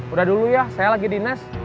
udah dulu ya saya lagi di nes